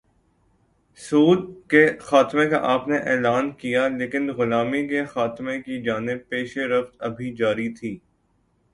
سود کے خاتمے کا آپ نے اعلان کیا لیکن غلامی کے خاتمے کی جانب پیش رفت ابھی جاری تھی۔